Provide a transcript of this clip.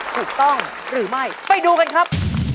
ถูกต้องหรือไม่ไปดูกันครับ